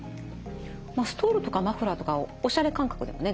ストールとかマフラーとかをおしゃれ感覚でもできますからね。